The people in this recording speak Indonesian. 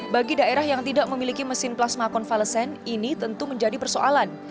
bagi daerah yang tidak memiliki mesin plasma konvalesen ini tentu menjadi persoalan